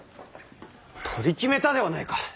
取り決めたではないか！